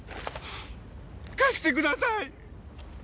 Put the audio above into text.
貸してください！